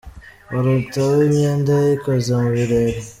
Baruta we imyenda ye ikoze mu birere.